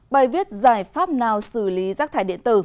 bài viết giải pháp nào xử lý rác thải điện tử